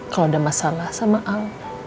kalau ada masalah sama al